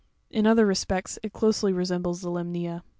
In other respects it closely re sembles the limnea.